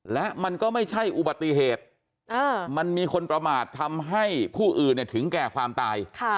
และมันก็ไม่ใช่อุบัติเหตุมันมีคนประมาททำให้ผู้อื่นถึงแก่ความตาย